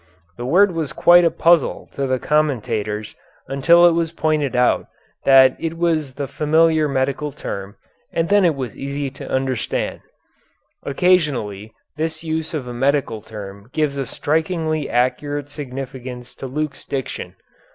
The word was quite a puzzle to the commentators until it was pointed out that it was the familiar medical term, and then it was easy to understand. Occasionally this use of a medical term gives a strikingly accurate significance to Luke's diction.